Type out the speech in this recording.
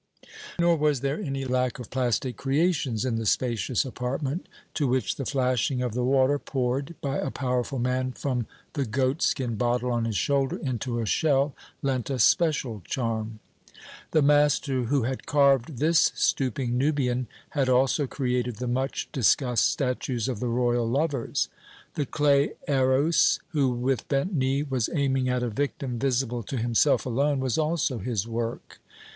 Nor was there any lack of plastic creations in the spacious apartment, to which the flashing of the water poured by a powerful man from the goatskin bottle on his shoulder into a shell lent a special charm. The master who had carved this stooping Nubian had also created the much discussed statues of the royal lovers. The clay Eros, who with bent knee was aiming at a victim visible to himself alone, was also his work.